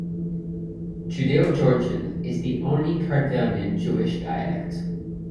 Judaeo-Georgian is the only Kartvelian Jewish dialect.